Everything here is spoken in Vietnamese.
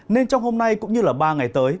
nên trong hôm nay cũng như ba ngày tới